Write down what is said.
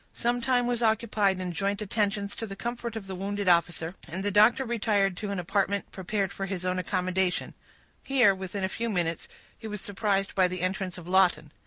Some time was occupied in joint attentions to the comfort of the wounded officer, and the doctor retired to an apartment prepared for his own accommodation; here, within a few minutes, he was surprised by the entrance of Lawton.